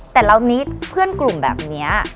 แต่เรานิดเพื่อนกลุ่มแบบนี้